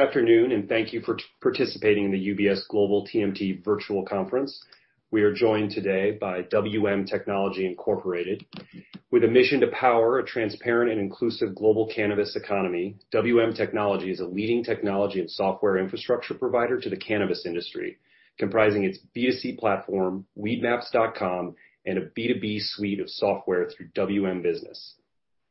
Good afternoon, and thank you for participating in the UBS Global TMT Virtual Conference. We are joined today by WM Technology Incorporated. With a mission to power a transparent and inclusive global cannabis economy, WM Technology is a leading technology and software infrastructure provider to the cannabis industry, comprising its B2C platform, weedmaps.com, and a B2B suite of software through WM Business.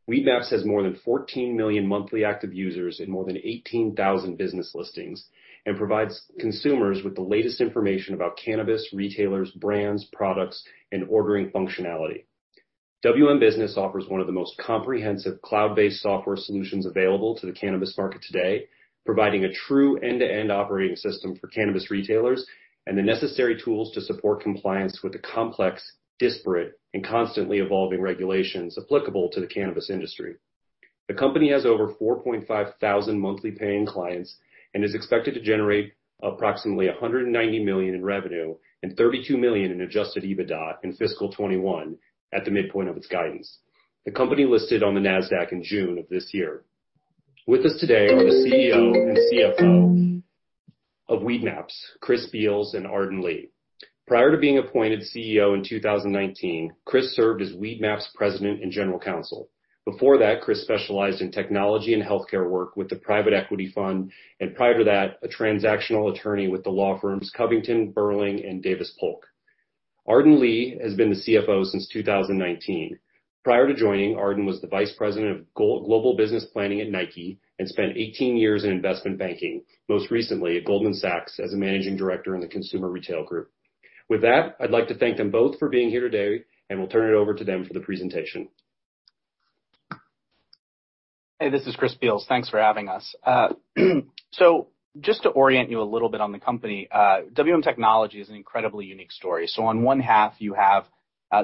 Weedmaps has more than 14 million monthly active users and more than 18,000 business listings and provides consumers with the latest information about cannabis, retailers, brands, products, and ordering functionality. WM Business offers one of the most comprehensive cloud-based software solutions available to the cannabis market today, providing a true end-to-end operating system for cannabis retailers and the necessary tools to support compliance with the complex, disparate, and constantly evolving regulations applicable to the cannabis industry. The company has over 4,500 monthly paying clients and is expected to generate approximately $190 million in revenue and $32 million in adjusted EBITDA in fiscal 2021 at the midpoint of its guidance. The company listed on the Nasdaq in June of this year. With us today are the CEO and CFO of Weedmaps, Chris Beals and Arden Lee. Prior to being appointed CEO in 2019, Chris served as Weedmaps president and general counsel. Before that, Chris specialized in technology and healthcare work with the private equity fund, and prior to that, a transactional attorney with the law firms Covington & Burling and Davis Polk & Wardwell. Arden Lee has been the CFO since 2019. Prior to joining, Arden was the Vice President of global business planning at Nike and spent 18 years in investment banking, most recently at Goldman Sachs as a Managing Director in the consumer retail group. With that, I'd like to thank them both for being here today, and we'll turn it over to them for the presentation. Hey, this is Chris Beals. Thanks for having us. Just to orient you a little bit on the company, WM Technology is an incredibly unique story. On one half you have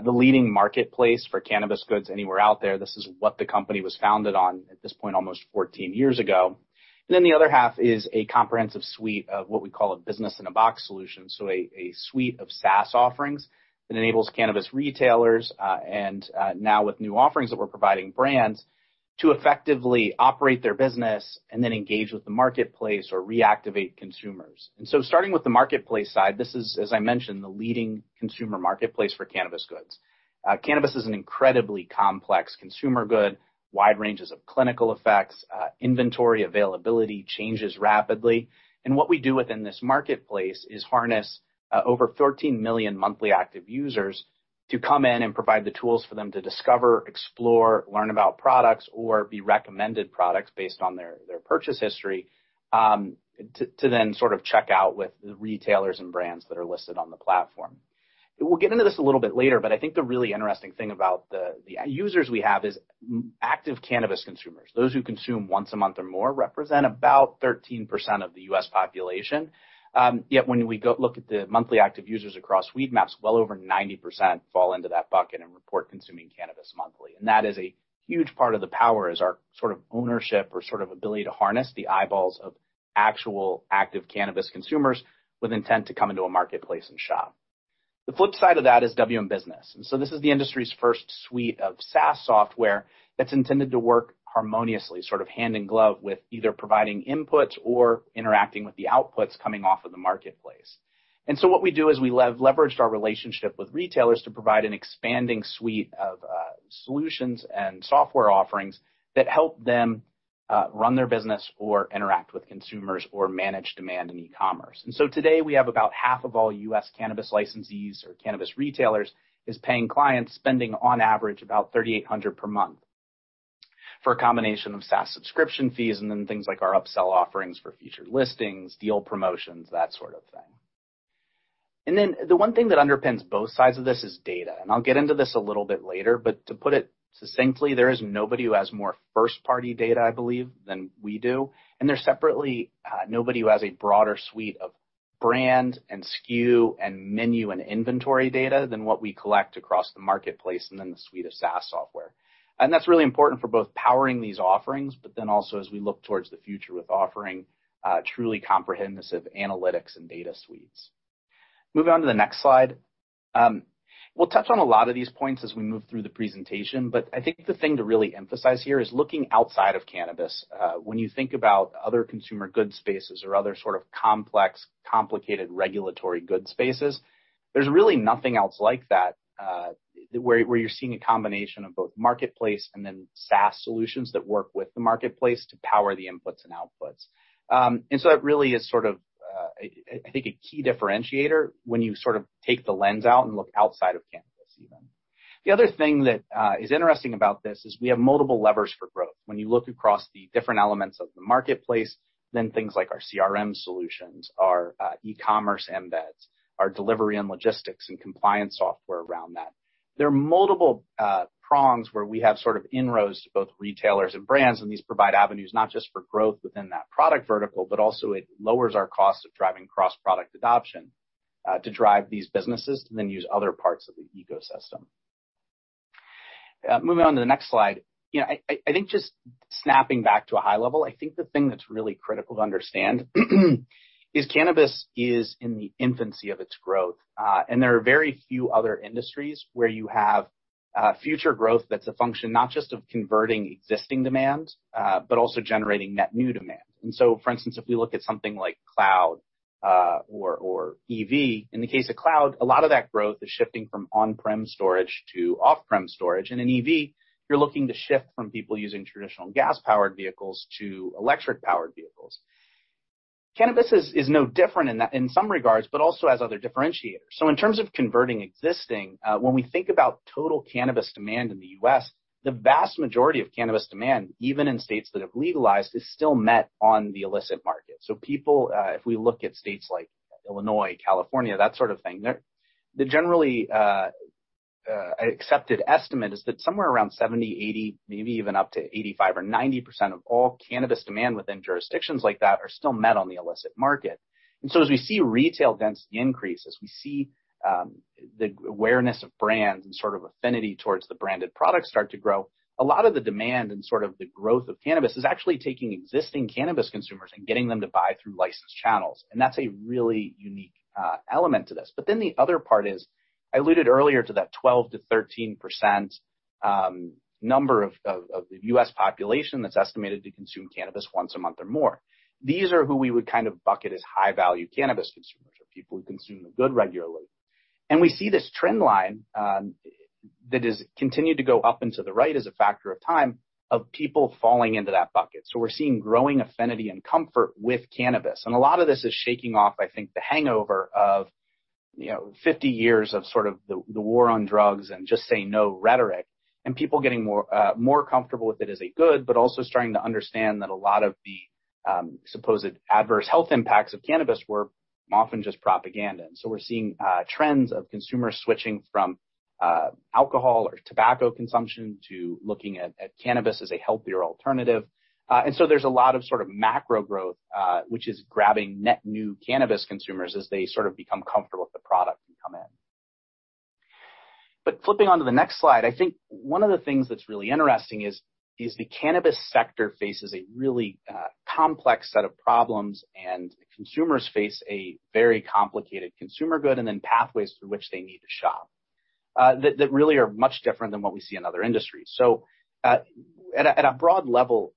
the leading marketplace for cannabis goods anywhere out there. This is what the company was founded on at this point almost 14 years ago. The other half is a comprehensive suite of what we call a business-in-a-box solution. A suite of SaaS offerings that enables cannabis retailers and now with new offerings that we're providing brands to effectively operate their business and then engage with the marketplace or reactivate consumers. Starting with the marketplace side, this is, as I mentioned, the leading consumer marketplace for cannabis goods. Cannabis is an incredibly complex consumer good, wide ranges of clinical effects, inventory availability changes rapidly. What we do within this marketplace is harness over 13 million monthly active users to come in and provide the tools for them to discover, explore, learn about products or be recommended products based on their purchase history to then sort of check out with the retailers and brands that are listed on the platform. We'll get into this a little bit later, but I think the really interesting thing about the users we have is monthly active cannabis consumers. Those who consume once a month or more represent about 13% of the U.S. population. Yet when we go look at the monthly active users across Weedmaps, well over 90% fall into that bucket and report consuming cannabis monthly. That is a huge part of the power, is our sort of ownership or sort of ability to harness the eyeballs of actual active cannabis consumers with intent to come into a marketplace and shop. The flip side of that is WM Business, and so this is the industry's first suite of SaaS software that's intended to work harmoniously, sort of hand in glove with either providing inputs or interacting with the outputs coming off of the marketplace. What we do is we leveraged our relationship with retailers to provide an expanding suite of solutions and software offerings that help them run their business or interact with consumers or manage demand in e-commerce. Today we have about half of all U.S. cannabis licensees or cannabis retailers is paying clients spending on average about $3,800 per month for a combination of SaaS subscription fees and then things like our upsell offerings for featured listings, deal promotions, that sort of thing. The one thing that underpins both sides of this is data. I'll get into this a little bit later, but to put it succinctly, there is nobody who has more first-party data, I believe, than we do. There's separately nobody who has a broader suite of brand and SKU and menu and inventory data than what we collect across the marketplace, and then the suite of SaaS software. That's really important for both powering these offerings, but then also as we look towards the future with offering truly comprehensive analytics and data suites. Moving on to the next slide. We'll touch on a lot of these points as we move through the presentation, but I think the thing to really emphasize here is looking outside of cannabis. When you think about other consumer goods spaces or other sort of complex, complicated regulatory goods spaces, there's really nothing else like that, where you're seeing a combination of both marketplace and then SaaS solutions that work with the marketplace to power the inputs and outputs. That really is sort of, I think a key differentiator when you sort of take the lens out and look outside of cannabis even. The other thing that is interesting about this is we have multiple levers for growth. When you look across the different elements of the marketplace, then things like our CRM solutions, our e-commerce embeds, our delivery and logistics and compliance software around that. There are multiple prongs where we have sort of inroads to both retailers and brands, and these provide avenues not just for growth within that product vertical, but also it lowers our cost of driving cross-product adoption, to drive these businesses to then use other parts of the ecosystem. Moving on to the next slide. You know, I think just snapping back to a high level, I think the thing that's really critical to understand is cannabis is in the infancy of its growth. There are very few other industries where you have future growth that's a function not just of converting existing demand, but also generating net new demand. For instance, if we look at something like cloud, or EV. In the case of cloud, a lot of that growth is shifting from on-prem storage to off-prem storage. In EV, you're looking to shift from people using traditional gas-powered vehicles to electric-powered vehicles. Cannabis is no different in that in some regards, but also has other differentiators. In terms of converting existing, when we think about total cannabis demand in the U.S., the vast majority of cannabis demand, even in states that have legalized, is still met on the illicit market. People, if we look at states like Illinois, California, that sort of thing, they're the generally accepted estimate is that somewhere around 70-80%, maybe even up to 85% or 90% of all cannabis demand within jurisdictions like that are still met on the illicit market. As we see retail density increase, as we see the awareness of brands and sort of affinity towards the branded products start to grow, a lot of the demand and sort of the growth of cannabis is actually taking existing cannabis consumers and getting them to buy through licensed channels. That's a really unique element to this. The other part is, I alluded earlier to that 12%-13% number of the U.S. population that's estimated to consume cannabis once a month or more. These are who we would kind of bucket as high-value cannabis consumers, or people who consume the good regularly. We see this trend line that has continued to go up into the right as a factor of time of people falling into that bucket. We're seeing growing affinity and comfort with cannabis. A lot of this is shaking off, I think, the hangover of, you know, 50 years of sort of the war on drugs and just say no rhetoric, and people getting more more comfortable with it as a good, but also starting to understand that a lot of the supposed adverse health impacts of cannabis were often just propaganda. We're seeing trends of consumers switching from alcohol or tobacco consumption to looking at cannabis as a healthier alternative. There's a lot of sort of macro growth, which is grabbing net new cannabis consumers as they sort of become comfortable with the product and come in. Flipping onto the next slide, I think one of the things that's really interesting is the cannabis sector faces a really complex set of problems, and consumers face a very complicated consumer good and then pathways through which they need to shop, that really are much different than what we see in other industries. At a broad level,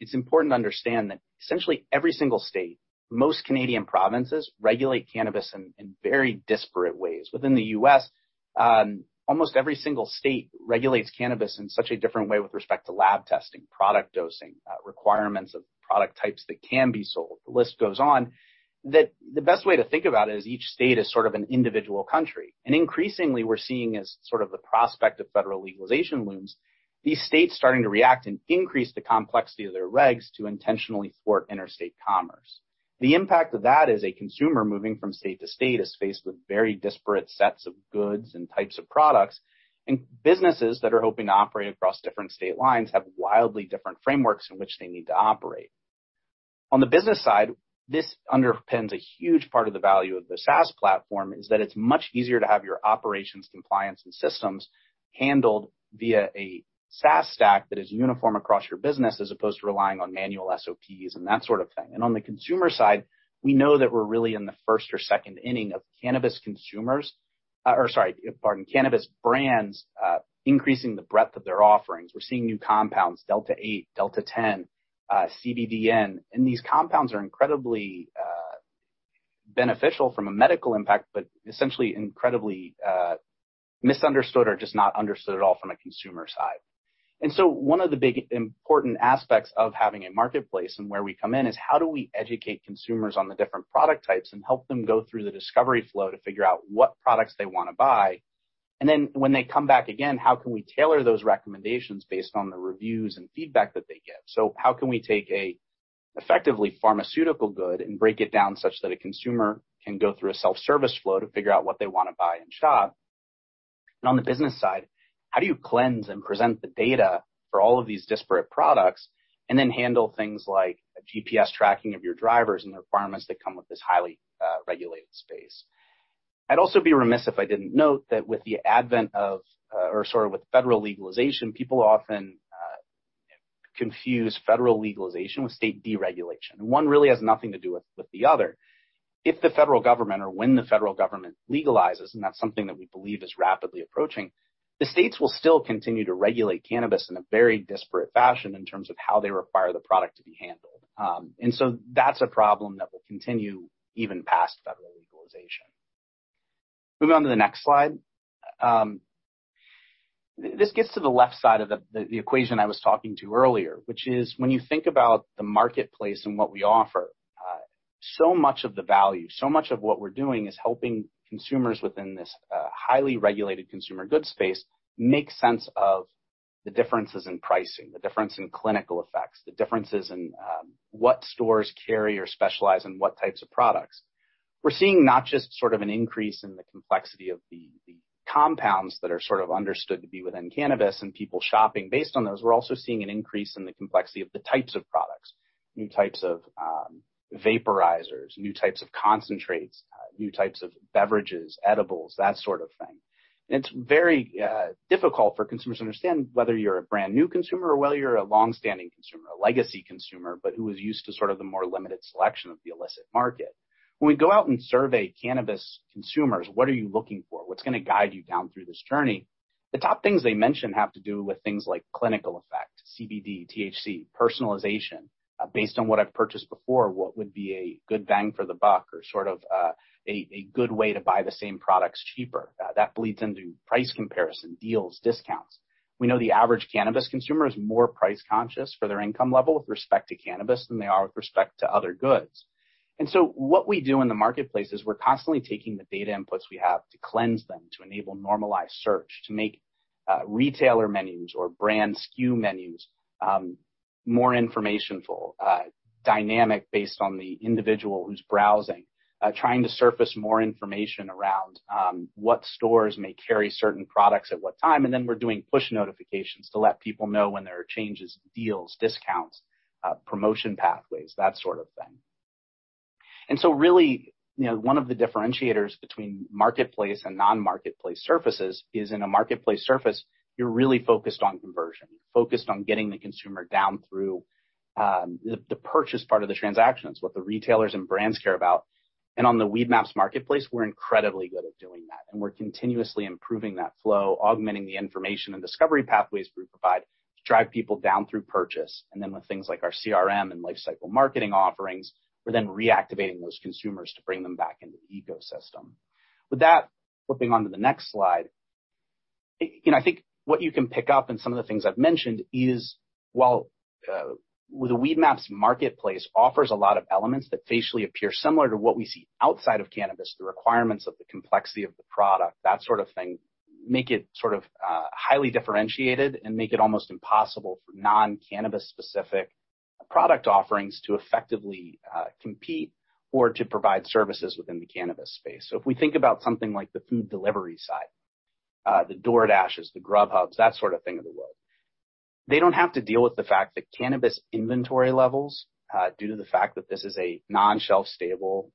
it's important to understand that essentially every single state, most Canadian provinces regulate cannabis in very disparate ways. Within the U.S., almost every single state regulates cannabis in such a different way with respect to lab testing, product dosing, requirements of product types that can be sold. The list goes on. That's the best way to think about it is each state is sort of an individual country. Increasingly we're seeing as sort of the prospect of federal legalization looms, these states starting to react and increase the complexity of their regs to intentionally thwart interstate commerce. The impact of that is a consumer moving from state to state is faced with very disparate sets of goods and types of products, and businesses that are hoping to operate across different state lines have wildly different frameworks in which they need to operate. On the business side, this underpins a huge part of the value of the SaaS platform, that it's much easier to have your operations, compliance, and systems handled via a SaaS stack that is uniform across your business, as opposed to relying on manual SOPs and that sort of thing. On the consumer side, we know that we're really in the first or second inning of cannabis brands increasing the breadth of their offerings. We're seeing new compounds, Delta-8, Delta-10, CBN, and these compounds are incredibly beneficial from a medical impact, but essentially incredibly misunderstood or just not understood at all from a consumer side. One of the big important aspects of having a marketplace and where we come in is how do we educate consumers on the different product types and help them go through the discovery flow to figure out what products they wanna buy? Then when they come back again, how can we tailor those recommendations based on the reviews and feedback that they give? How can we take an effectively pharmaceutical good and break it down such that a consumer can go through a self-service flow to figure out what they wanna buy and shop? On the business side, how do you cleanse and present the data for all of these disparate products, and then handle things like GPS tracking of your drivers and the requirements that come with this highly regulated space? I'd also be remiss if I didn't note that with federal legalization, people often confuse federal legalization with state deregulation. One really has nothing to do with the other. If the federal government or when the federal government legalizes, and that's something that we believe is rapidly approaching, the states will still continue to regulate cannabis in a very disparate fashion in terms of how they require the product to be handled. That's a problem that will continue even past federal legalization. Moving on to the next slide. This gets to the left side of the equation I was talking to earlier, which is when you think about the marketplace and what we offer, so much of the value, so much of what we're doing is helping consumers within this, highly regulated consumer goods space make sense of the differences in pricing, the difference in clinical effects, the differences in, what stores carry or specialize in what types of products. We're seeing not just sort of an increase in the complexity of the compounds that are sort of understood to be within cannabis and people shopping based on those, we're also seeing an increase in the complexity of the types of products, new types of vaporizers, new types of concentrates, new types of beverages, edibles, that sort of thing. It's very difficult for consumers to understand whether you're a brand new consumer or whether you're a long-standing consumer, a legacy consumer, but who is used to sort of the more limited selection of the illicit market. When we go out and survey cannabis consumers, what are you looking for? What's gonna guide you down through this journey? The top things they mention have to do with things like clinical effect, CBD, THC, personalization. Based on what I've purchased before, what would be a good bang for the buck or sort of, a good way to buy the same products cheaper? That bleeds into price comparison, deals, discounts. We know the average cannabis consumer is more price-conscious for their income level with respect to cannabis than they are with respect to other goods. What we do in the marketplace is we're constantly taking the data inputs we have to cleanse them, to enable normalized search, to make retailer menus or brand SKU menus more informational, dynamic based on the individual who's browsing, trying to surface more information around what stores may carry certain products at what time, and then we're doing push notifications to let people know when there are changes, deals, discounts, promotion pathways, that sort of thing. Really, one of the differentiators between marketplace and non-marketplace surfaces is in a marketplace surface, you're really focused on conversion. You're focused on getting the consumer down through the purchase part of the transactions, what the retailers and brands care about. On the Weedmaps marketplace, we're incredibly good at doing that, and we're continuously improving that flow, augmenting the information and discovery pathways we provide to drive people down through purchase. With things like our CRM and lifecycle marketing offerings, we're then reactivating those consumers to bring them back into the ecosystem. With that, flipping onto the next slide. I think what you can pick up in some of the things I've mentioned is, while, with the Weedmaps marketplace offers a lot of elements that facially appear similar to what we see outside of cannabis, the requirements of the complexity of the product, that sort of thing, make it sort of, highly differentiated and make it almost impossible for non-cannabis specific product offerings to effectively, compete or to provide services within the cannabis space. If we think about something like the food delivery side, the DoorDashes, the Grubhub, that sort of thing of the world, they don't have to deal with the fact that cannabis inventory levels, due to the fact that this is a non-shelf stable,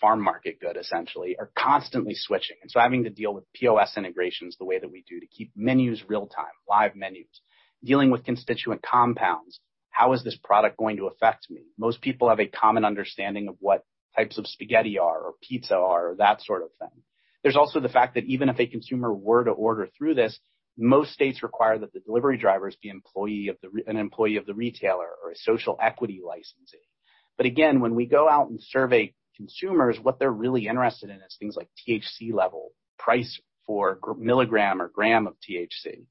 farm market good, essentially, are constantly switching. Having to deal with POS integrations the way that we do to keep menus real-time, live menus, dealing with constituent compounds. How is this product going to affect me? Most people have a common understanding of what types of spaghetti are or pizza are, that sort of thing. There's also the fact that even if a consumer were to order through this, most states require that the delivery drivers be an employee of the retailer or a social equity licensee. Again, when we go out and survey consumers, what they're really interested in is things like THC level, price for milligram or gram of THC,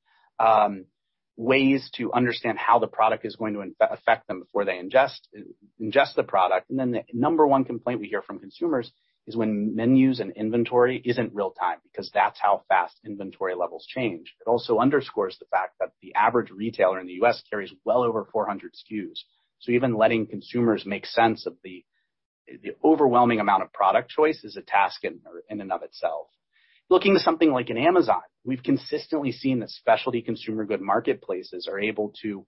ways to understand how the product is going to affect them before they ingest the product. The number one complaint we hear from consumers is when menus and inventory isn't real-time, because that's how fast inventory levels change. It also underscores the fact that the average retailer in the U.S. carries well over 400 SKUs. Even letting consumers make sense of the overwhelming amount of product choice is a task in and of itself. Looking to something like an Amazon, we've consistently seen that specialty consumer good marketplaces are able to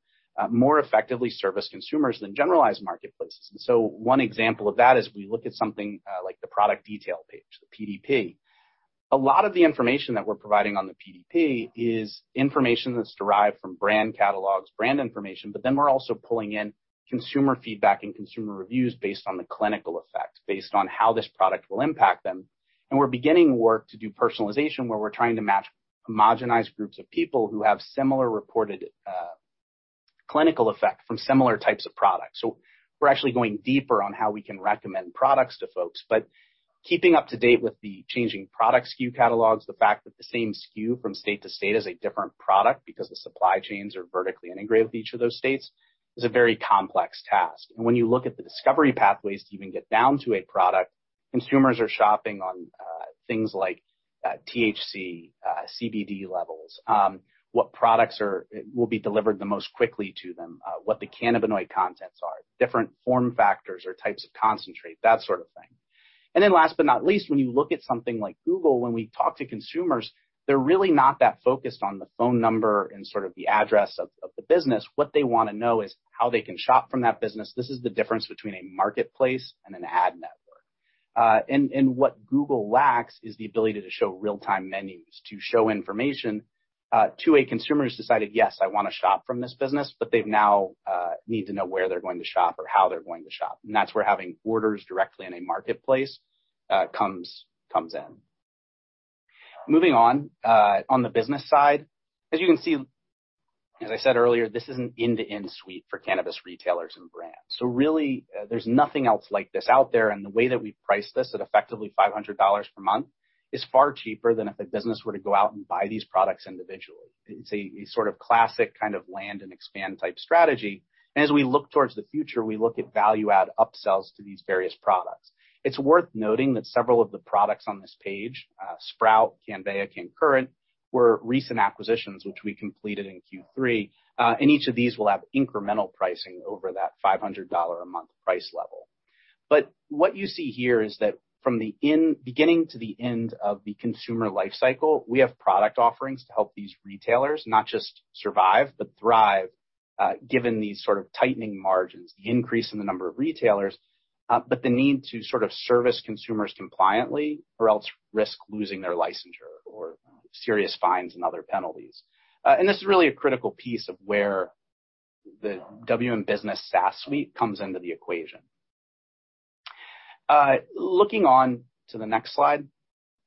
more effectively service consumers than generalized marketplaces. One example of that is we look at something, like the product detail page, the PDP. A lot of the information that we're providing on the PDP is information that's derived from brand catalogs, brand information, but then we're also pulling in consumer feedback and consumer reviews based on the clinical effect, based on how this product will impact them. We're beginning work to do personalization, where we're trying to match homogenized groups of people who have similar reported, clinical effect from similar types of products. We're actually going deeper on how we can recommend products to folks. Keeping up to date with the changing product SKU catalogs, the fact that the same SKU from state to state is a different product because the supply chains are vertically integrated with each of those states, is a very complex task. When you look at the discovery pathways to even get down to a product, consumers are shopping on things like THC, CBD levels, what products will be delivered the most quickly to them, what the cannabinoid contents are, different form factors or types of concentrate, that sort of thing. Last but not least, when you look at something like Google, when we talk to consumers, they're really not that focused on the phone number and sort of the address of the business. What they wanna know is how they can shop from that business. This is the difference between a marketplace and an ad network. What Google lacks is the ability to show real-time menus, to show information to a consumer who's decided, "Yes, I wanna shop from this business," but they now need to know where they're going to shop or how they're going to shop. That's where having orders directly in a marketplace comes in. Moving on to the business side. As you can see, as I said earlier, this is an end-to-end suite for cannabis retailers and brands. Really, there's nothing else like this out there, and the way that we price this at effectively $500 per month is far cheaper than if a business were to go out and buy these products individually. It's a sort of classic kind of land and expand type strategy. As we look towards the future, we look at value-add upsells to these various products. It's worth noting that several of the products on this page, Sprout, Cannveya, CannCurrent, were recent acquisitions, which we completed in Q3. Each of these will have incremental pricing over that $500 a month price level. But what you see here is that from the beginning to the end of the consumer lifecycle, we have product offerings to help these retailers not just survive, but thrive, given these sort of tightening margins, the increase in the number of retailers, but the need to sort of service consumers compliantly or else risk losing their licensure or serious fines and other penalties. This is really a critical piece of where the WM Business SaaS suite comes into the equation. Looking on to the next slide,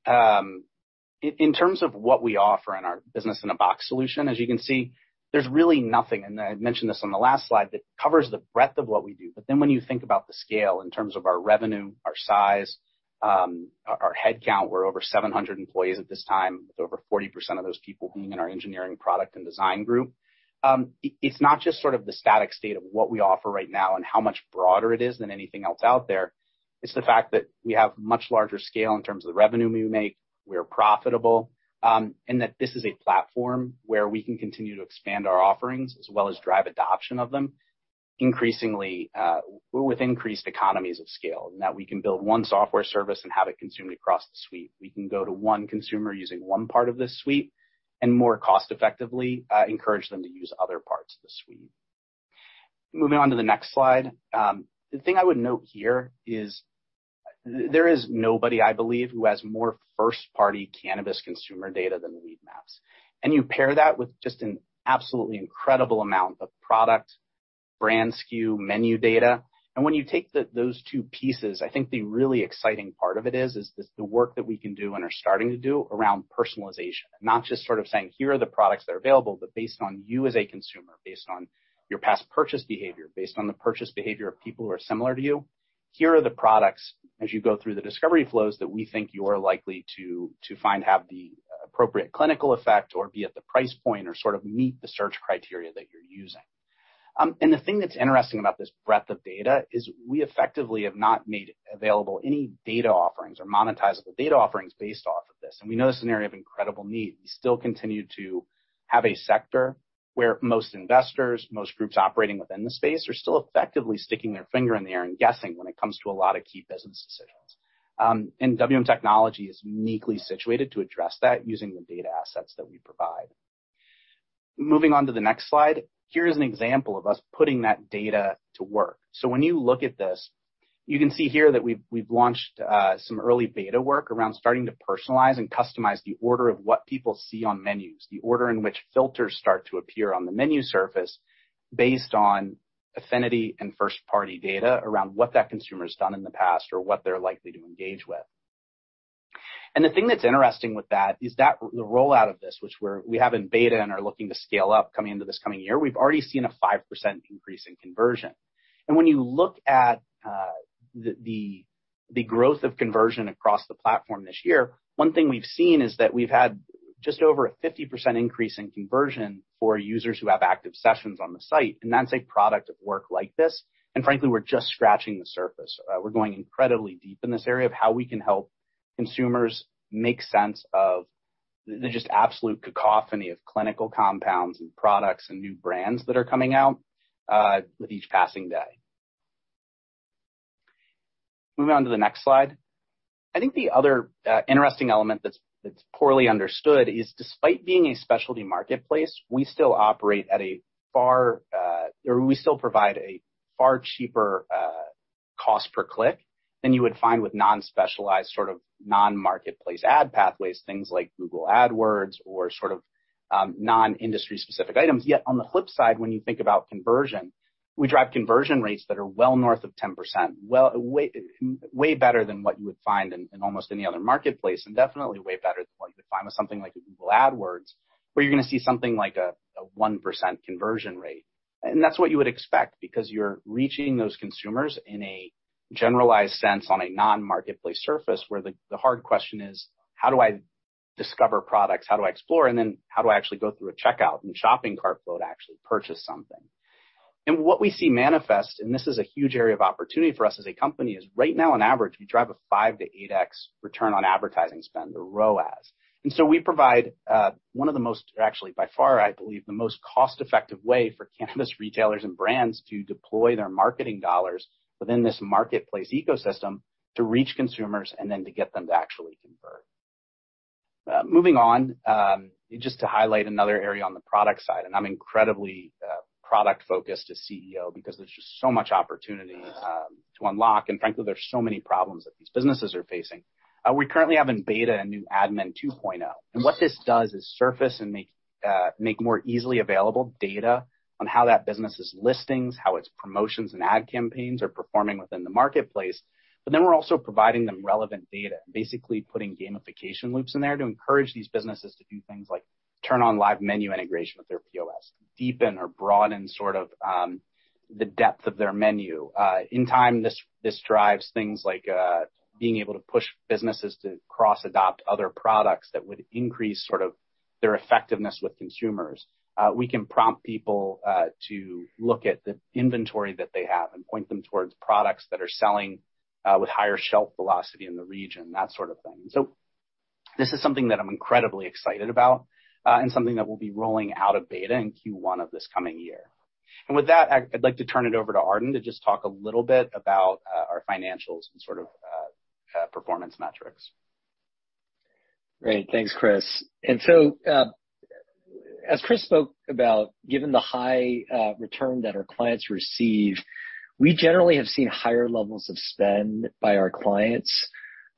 in terms of what we offer in our business in a box solution, as you can see, there's really nothing, and I mentioned this on the last slide, that covers the breadth of what we do. When you think about the scale in terms of our revenue, our size, our head count, we're over 700 employees at this time, with over 40% of those people being in our engineering product and design group. It's not just sort of the static state of what we offer right now and how much broader it is than anything else out there. It's the fact that we have much larger scale in terms of the revenue we make. We are profitable, and that this is a platform where we can continue to expand our offerings as well as drive adoption of them increasingly, with increased economies of scale, and that we can build one software service and have it consumed across the suite. We can go to one consumer using one part of this suite and more cost effectively encourage them to use other parts of the suite. Moving on to the next slide. The thing I would note here is there is nobody, I believe, who has more first-party cannabis consumer data than Weedmaps. You pair that with just an absolutely incredible amount of product, brand SKU, menu data. When you take those two pieces, I think the really exciting part of it is this the work that we can do and are starting to do around personalization. Not just sort of saying, "Here are the products that are available," but based on you as a consumer, based on your past purchase behavior, based on the purchase behavior of people who are similar to you, here are the products as you go through the discovery flows that we think you are likely to find have the appropriate clinical effect or be at the price point or sort of meet the search criteria that you're using. The thing that's interesting about this breadth of data is we effectively have not made available any data offerings or monetizable data offerings based off of this. We know this is an area of incredible need. We still continue to have a sector where most investors, most groups operating within the space are still effectively sticking their finger in the air and guessing when it comes to a lot of key business decisions. WM Technology is uniquely situated to address that using the data assets that we provide. Moving on to the next slide, here is an example of us putting that data to work. When you look at this, you can see here that we've launched some early beta work around starting to personalize and customize the order of what people see on menus, the order in which filters start to appear on the menu surface based on affinity and first-party data around what that consumer's done in the past or what they're likely to engage with. The thing that's interesting with that is that the rollout of this, which we have in beta and are looking to scale up coming into this coming year, we've already seen a 5% increase in conversion. When you look at the growth of conversion across the platform this year, one thing we've seen is that we've had just over a 50% increase in conversion for users who have active sessions on the site, and that's a product of work like this. Frankly, we're just scratching the surface. We're going incredibly deep in this area of how we can help consumers make sense of the just absolute cacophony of clinical compounds and products and new brands that are coming out with each passing day. Moving on to the next slide. I think the other interesting element that's poorly understood is despite being a specialty marketplace, we still provide a far cheaper cost per click than you would find with non-specialized sort of non-marketplace ad pathways, things like Google AdWords or sort of non-industry specific items. Yet on the flip side, when you think about conversion, we drive conversion rates that are well north of 10%, way better than what you would find in almost any other marketplace, and definitely way better than what you would find with something like a Google AdWords, where you're gonna see something like a 1% conversion rate. That's what you would expect because you're reaching those consumers in a generalized sense on a non-marketplace surface where the hard question is, how do I discover products? How do I explore? How do I actually go through a checkout and shopping cart flow to actually purchase something? What we see manifest, and this is a huge area of opportunity for us as a company, is right now, on average, we drive a 5-8x return on advertising spend, the ROAS. We provide one of the most, or actually by far, I believe, the most cost-effective way for cannabis retailers and brands to deploy their marketing dollars within this marketplace ecosystem to reach consumers and then to get them to actually convert. Moving on, just to highlight another area on the product side, and I'm incredibly product-focused as CEO because there's just so much opportunity to unlock, and frankly, there's so many problems that these businesses are facing. We currently have in beta a new admin 2.0. What this does is surface and make more easily available data on how that business's listings, how its promotions and ad campaigns are performing within the marketplace. We're also providing them relevant data, basically putting gamification loops in there to encourage these businesses to do things like turn on live menu integration with their POS, deepen or broaden sort of the depth of their menu. In time, this drives things like being able to push businesses to cross-adopt other products that would increase sort of their effectiveness with consumers. We can prompt people to look at the inventory that they have and point them towards products that are selling with higher shelf velocity in the region, that sort of thing. This is something that I'm incredibly excited about, and something that we'll be rolling out of beta in Q1 of this coming year. With that, I'd like to turn it over to Arden to just talk a little bit about our financials and sort of performance metrics. Great. Thanks, Chris. As Chris spoke about, given the high return that our clients receive, we generally have seen higher levels of spend by our clients.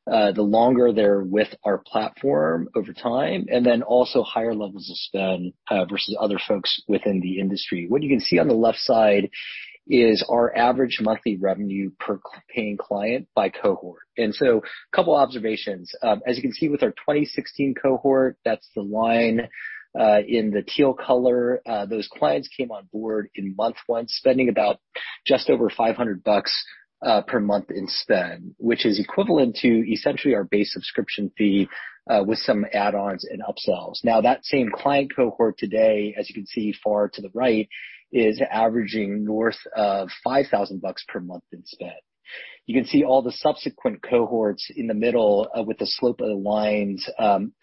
The longer they're with our platform over time, and then also higher levels of spend versus other folks within the industry. What you can see on the left side is our average monthly revenue per paying client by cohort. Couple observations. As you can see with our 2016 cohort, that's the line in the teal color. Those clients came on board in month one, spending about just over $500 per month in spend, which is equivalent to essentially our base subscription fee with some add-ons and upsells. Now, that same client cohort today, as you can see far to the right, is averaging north of $5,000 per month in spend. You can see all the subsequent cohorts in the middle, with the slope of the lines,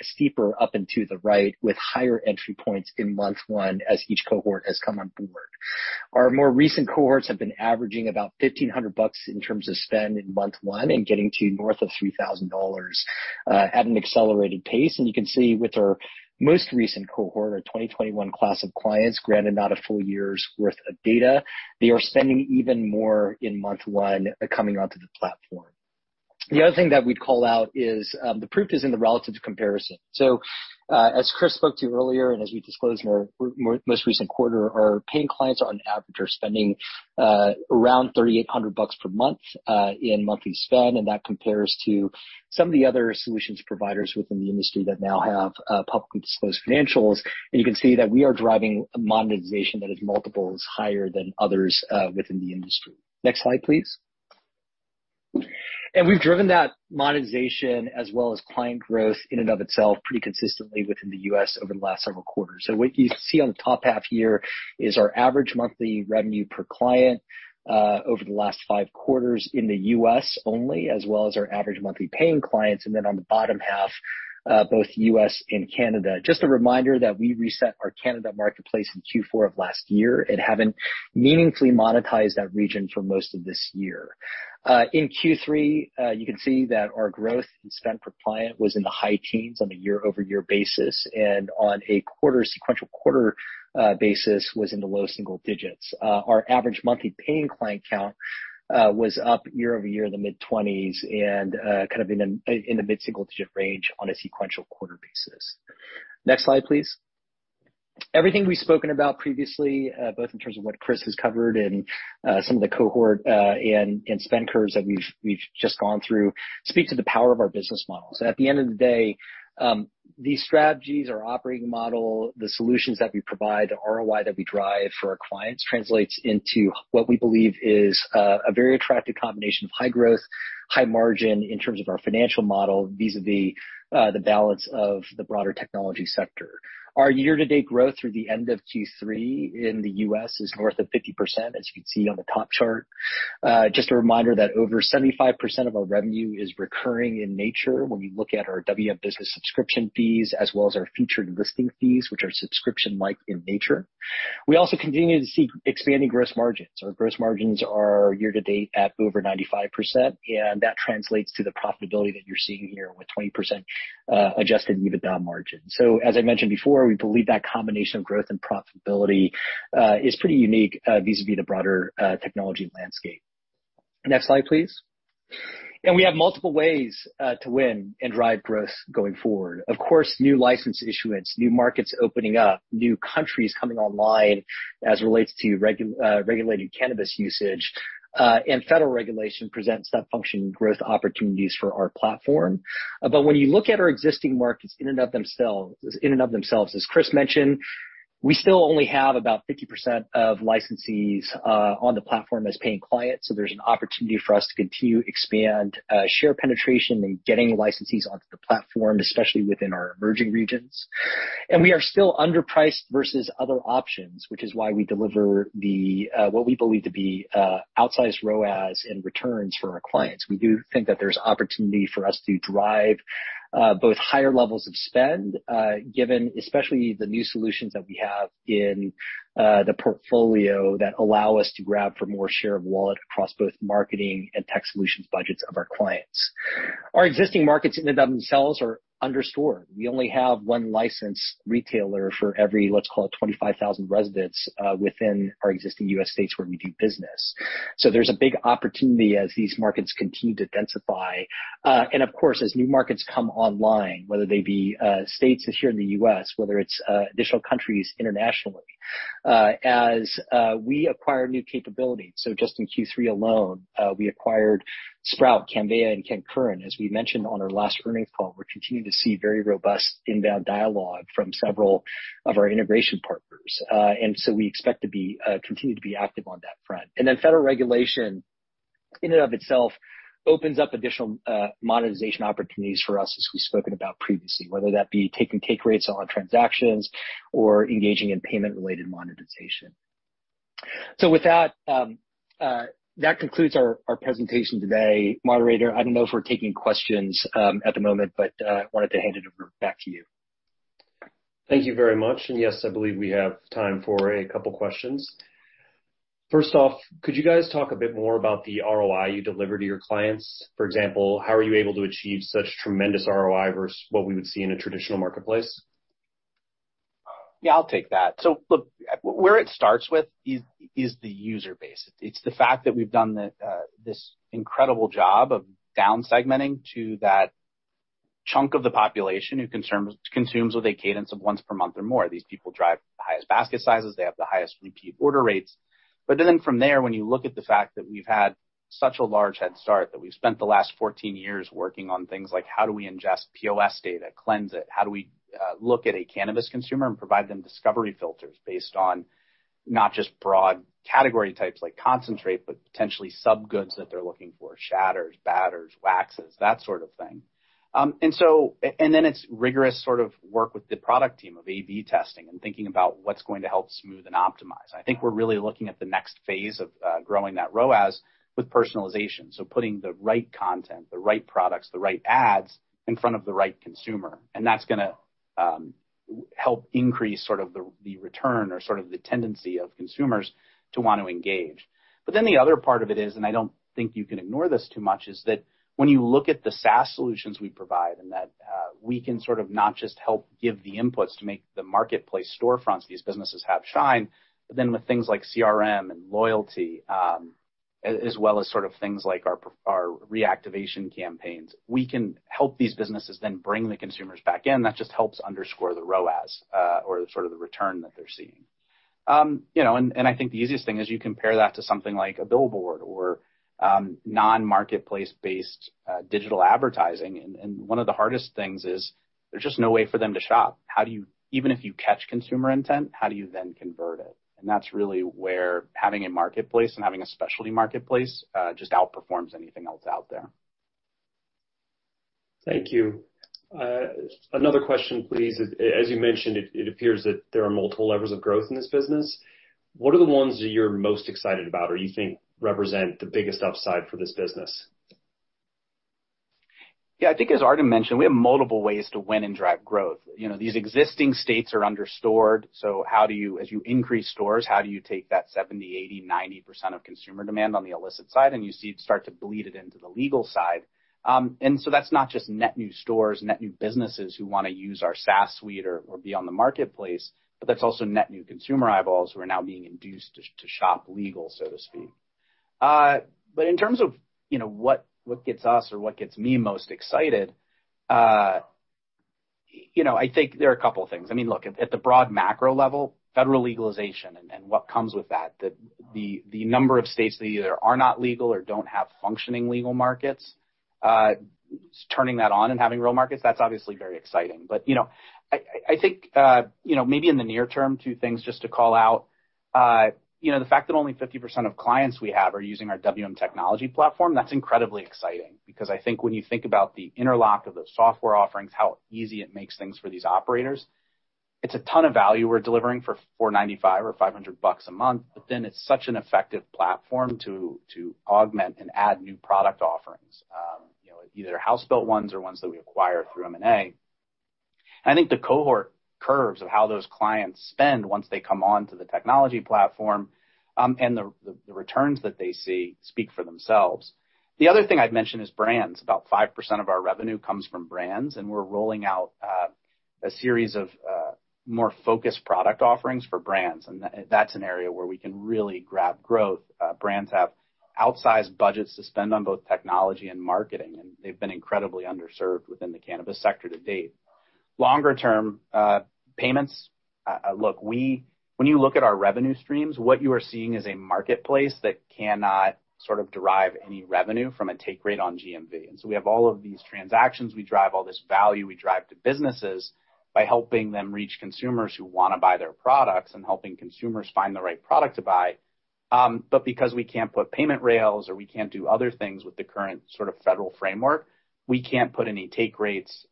steeper up and to the right, with higher entry points in month one as each cohort has come on board. Our more recent cohorts have been averaging about $1,500 in terms of spend in month one and getting to north of $3,000 at an accelerated pace. You can see with our most recent cohort, our 2021 class of clients, granted not a full year's worth of data, they are spending even more in month one coming onto the platform. The other thing that we'd call out is, the proof is in the relative comparison. As Chris spoke to earlier, and as we disclosed in our most recent quarter, our paying clients on average are spending around $3,800 per month in monthly spend, and that compares to some of the other solutions providers within the industry that now have publicly disclosed financials. You can see that we are driving a monetization that is multiples higher than others within the industry. Next slide, please. We've driven that monetization as well as client growth in and of itself pretty consistently within the U.S. over the last several quarters. What you see on the top half here is our average monthly revenue per client over the last five quarters in the U.S. only, as well as our average monthly paying clients. Then on the bottom half, both U.S. and Canada. Just a reminder that we reset our Canada marketplace in Q4 of last year and haven't meaningfully monetized that region for most of this year. In Q3, you can see that our growth in spend per client was in the high teens% on a year-over-year basis, and on a quarter-over-quarter basis was in the low single digits%. Our average monthly paying client count was up year-over-year in the mid-twenties% and kind of in the mid-single-digit range on a quarter-over-quarter basis. Next slide, please. Everything we've spoken about previously, both in terms of what Chris has covered and some of the cohort and spend curves that we've just gone through speak to the power of our business model. At the end of the day, these strategies or operating model, the solutions that we provide, the ROI that we drive for our clients translates into what we believe is a very attractive combination of high growth, high margin in terms of our financial model vis-à-vis the balance of the broader technology sector. Our year-to-date growth through the end of Q3 in the U.S. is north of 50%, as you can see on the top chart. Just a reminder that over 75% of our revenue is recurring in nature when we look at our WM Business subscription fees as well as our featured listings fees, which are subscription-like in nature. We also continue to see expanding gross margins. Our gross margins are year to date at over 95%, and that translates to the profitability that you're seeing here with 20% adjusted EBITDA margin. As I mentioned before, we believe that combination of growth and profitability is pretty unique vis-a-vis the broader technology landscape. Next slide, please. We have multiple ways to win and drive growth going forward. Of course, new license issuance, new markets opening up, new countries coming online as it relates to regulated cannabis usage, and federal regulation presents step function growth opportunities for our platform. When you look at our existing markets in and of themselves, as Chris mentioned, we still only have about 50% of licensees on the platform as paying clients. There's an opportunity for us to continue to expand share penetration and getting licensees onto the platform, especially within our emerging regions. We are still underpriced versus other options, which is why we deliver the what we believe to be outsized ROAS and returns for our clients. We do think that there's opportunity for us to drive both higher levels of spend given especially the new solutions that we have in the portfolio that allow us to grab for more share of wallet across both marketing and tech solutions budgets of our clients. Our existing markets in and of themselves are understored. We only have one licensed retailer for every, let's call it, 25,000 residents within our existing U.S. states where we do business. There's a big opportunity as these markets continue to densify. Of course, as new markets come online, whether they be states here in the U.S., whether it's additional countries internationally, as we acquire new capability. Just in Q3 alone, we acquired Sprout, Cannveya and CannCurrent. As we mentioned on our last earnings call, we're continuing to see very robust inbound dialogue from several of our integration partners. We expect to continue to be active on that front. Federal regulation in and of itself opens up additional monetization opportunities for us as we've spoken about previously, whether that be taking take rates on transactions or engaging in payment-related monetization. With that concludes our presentation today. Moderator, I don't know if we're taking questions at the moment, but I wanted to hand it over back to you. Thank you very much. Yes, I believe we have time for a couple questions. First off, could you guys talk a bit more about the ROI you deliver to your clients? For example, how are you able to achieve such tremendous ROI versus what we would see in a traditional marketplace? Yeah, I'll take that. Look, where it starts with is the user base. It's the fact that we've done this incredible job of down segmenting to that chunk of the population who consumes with a cadence of once per month or more. These people drive the highest basket sizes, they have the highest repeat order rates. Then from there, when you look at the fact that we've had such a large head start, that we've spent the last 14 years working on things like how do we ingest POS data, cleanse it, how do we look at a cannabis consumer and provide them discovery filters based on not just broad category types like concentrate, but potentially sub-goods that they're looking for, shatters, batters, waxes, that sort of thing. It's rigorous sort of work with the product team of A/B testing and thinking about what's going to help smooth and optimize. I think we're really looking at the next phase of growing that ROAS with personalization, so putting the right content, the right products, the right ads in front of the right consumer. That's gonna help increase sort of the return or sort of the tendency of consumers to want to engage. The other part of it is, and I don't think you can ignore this too much, is that when you look at the SaaS solutions we provide and that, we can sort of not just help give the inputs to make the marketplace storefronts these businesses have shine, but then with things like CRM and loyalty, as well as sort of things like our our reactivation campaigns, we can help these businesses then bring the consumers back in. That just helps underscore the ROAS, or sort of the return that they're seeing. I think the easiest thing is you compare that to something like a billboard or, non-marketplace based, digital advertising. One of the hardest things is there's just no way for them to shop. How do you... Even if you catch consumer intent, how do you then convert it? That's really where having a marketplace and having a specialty marketplace just outperforms anything else out there. Thank you. Another question, please. As you mentioned, it appears that there are multiple levers of growth in this business. What are the ones that you're most excited about or you think represent the biggest upside for this business? Yeah, I think as Arden mentioned, we have multiple ways to win and drive growth. These existing states are under-stored. As you increase stores, how do you take that 70, 80, 90% of consumer demand on the illicit side, and you see it start to bleed it into the legal side. That's not just net new stores, net new businesses who wanna use our SaaS suite or be on the marketplace, but that's also net new consumer eyeballs who are now being induced to shop legal, so to speak. In terms of, what gets us or what gets me most excited, you know, I think there are a couple of things. I mean, look, at the broad macro level, federal legalization and what comes with that. The number of states that either are not legal or don't have functioning legal markets, turning that on and having real markets, that's obviously very exciting. I think, maybe in the near term, two things just to call out. You know, the fact that only 50% of clients we have are using our WM Technology platform, that's incredibly exciting because I think when you think about the interlock of those software offerings, how easy it makes things for these operators, it's a ton of value we're delivering for $495 or $500 a month, but then it's such an effective platform to augment and add new product offerings, you know, either house-built ones or ones that we acquire through M&A. I think the cohort curves of how those clients spend once they come onto the technology platform, and the returns that they see speak for themselves. The other thing I'd mention is brands. About 5% of our revenue comes from brands, and we're rolling out a series of more focused product offerings for brands, and that's an area where we can really grab growth. Brands have outsized budgets to spend on both technology and marketing, and they've been incredibly underserved within the cannabis sector to date. Longer term, payments. When you look at our revenue streams, what you are seeing is a marketplace that cannot sort of derive any revenue from a take rate on GMV. We have all of these transactions, we drive all this value, we drive to businesses by helping them reach consumers who wanna buy their products and helping consumers find the right product to buy. Because we can't put payment rails or we can't do other things with the current sort of federal framework, we can't put any take rates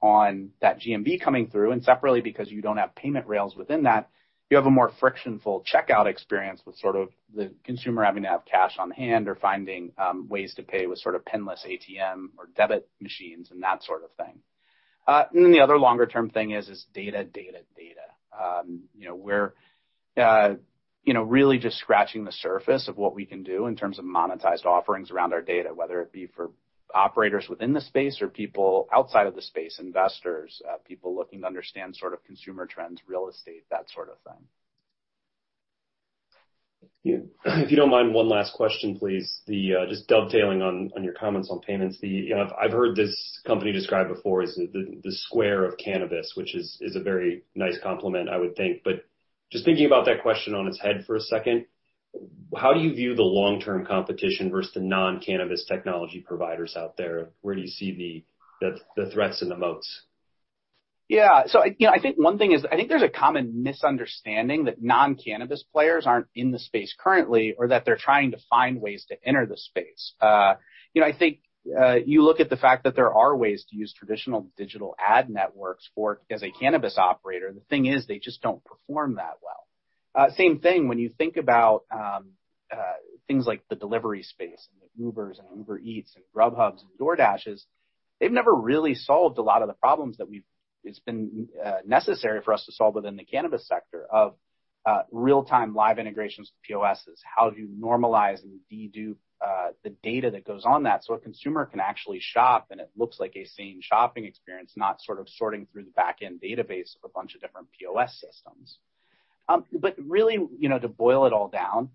on that GMV coming through. Separately, because you don't have payment rails within that, you have a more friction-filled checkout experience with sort of the consumer having to have cash on hand or finding ways to pay with sort of pinless ATM or debit machines and that sort of thing. The other longer-term thing is data. We're really just scratching the surface of what we can do in terms of monetized offerings around our data, whether it be for operators within the space or people outside of the space, investors, people looking to understand sort of consumer trends, real estate, that sort of thing. If you don't mind, one last question, please. Just dovetailing on your comments on payments. I've heard this company described before as the Square of cannabis, which is a very nice complement, I would think. Just thinking about that question on its head for a second, how do you view the long-term competition versus the non-cannabis technology providers out there? Where do you see the threats and the moats? I think one thing is there's a common misunderstanding that non-cannabis players aren't in the space currently, or that they're trying to find ways to enter the space. You know, I think you look at the fact that there are ways to use traditional digital ad networks for a cannabis operator. The thing is they just don't perform that well. Same thing when you think about things like the delivery space and the Ubers and Uber Eats and Grubhub's and DoorDash's. They've never really solved a lot of the problems that we've. It's been necessary for us to solve within the cannabis sector of real-time live integrations to POSs, how do you normalize and dedupe the data that goes on that so a consumer can actually shop and it looks like a sane shopping experience, not sort of sorting through the back-end database of a bunch of different POS systems. Really, you know, to boil it all down,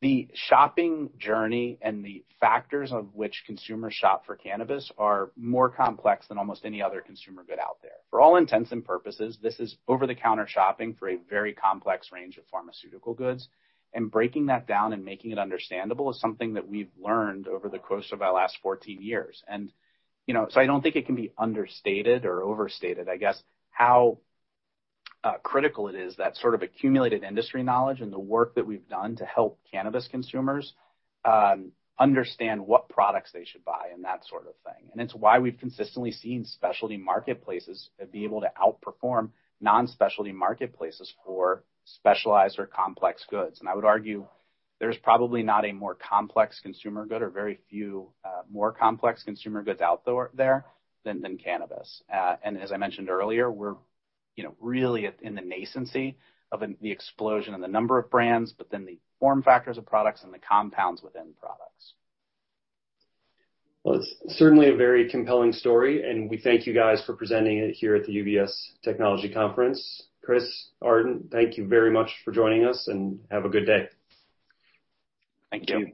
the shopping journey and the factors of which consumers shop for cannabis are more complex than almost any other consumer good out there. For all intents and purposes, this is over-the-counter shopping for a very complex range of pharmaceutical goods, and breaking that down and making it understandable is something that we've learned over the course of our last 14 years. I don't think it can be understated or overstated, I guess, how critical it is that sort of accumulated industry knowledge and the work that we've done to help cannabis consumers understand what products they should buy and that sort of thing. It's why we've consistently seen specialty marketplaces be able to outperform non-specialty marketplaces for specialized or complex goods. I would argue there's probably not a more complex consumer good or very few more complex consumer goods out there than cannabis. As I mentioned earlier, we're, you know, really at, in the nascency of an, the explosion in the number of brands, but then the form factors of products and the compounds within products. Well, it's certainly a very compelling story, and we thank you guys for presenting it here at the UBS Global TMT Virtual Conference. Chris, Arden, thank you very much for joining us, and have a good day. Thank you.